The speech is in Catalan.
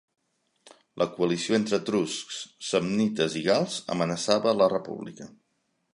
La coalició entre etruscs, samnites i gals amenaçava la república.